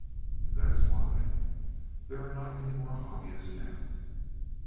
And that is why there are not any Hobyahs now.